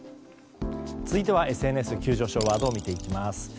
続いてはＳＮＳ急上昇ワードを見ていきます。